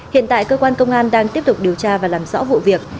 hiện tại cơ quan công an đang tiếp tục điều tra và làm rõ vụ việc